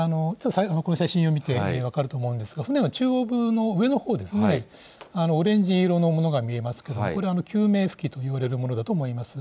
この写真を見て分かると思うんですが、船の中央部の上のほうですね、オレンジ色のものが見えますけど、これ、救命浮器といわれるものだと思います。